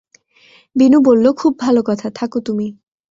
বিনু বলল, খুব ভালো কথা, থাক তুমি।